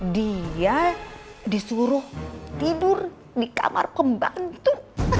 dia disuruh tidur di kamar pembantu